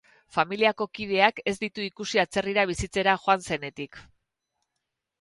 Familiako kideak ez ditu ikusi atzerrira bizitzera joan zenetik.